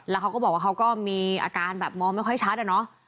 แล้วเขาก็บอกว่าเขาก็มีอาการแบบมองไม่ค่อยชัดอะเนาะ